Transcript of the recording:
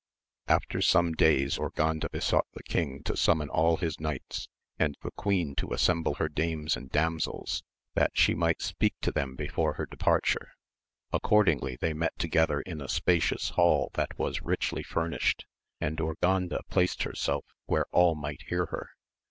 After some days Urganda besought the king to summon allj, his knights, and the queen to assemble her dames and damsels, that she might speak to them before her departure ; accordingly they met together in a spacious hall that was richly furnished, and Ur ganda placed herself where all might hear her.